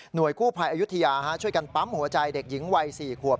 กู้ภัยอายุทยาช่วยกันปั๊มหัวใจเด็กหญิงวัย๔ขวบ